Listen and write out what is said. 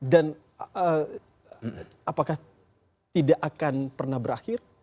dan apakah tidak akan pernah berakhir